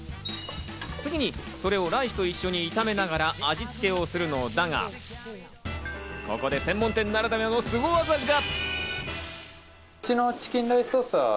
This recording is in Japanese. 次にそれをライスと一緒に炒めながら味つけをするのだが、ここで専門店ならではのスゴ技が！